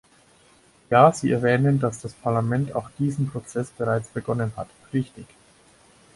Ja, Sie erwähnen, dass das Parlament auch diesen Prozess bereits begonnen hat, richtig.